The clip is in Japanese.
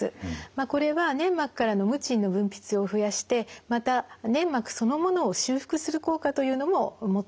これは粘膜からのムチンの分泌を増やしてまた粘膜そのものを修復する効果というのも持っています。